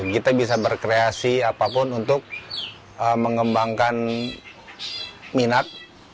kita bisa berkreasi apapun untuk mengembangkan minat